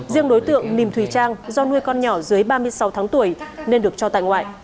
riêng đối tượng mỉm thùy trang do nuôi con nhỏ dưới ba mươi sáu tháng tuổi nên được cho tại ngoại